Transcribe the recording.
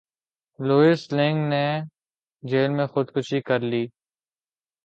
Louis لنگ نے jail میں خود کشی کر لی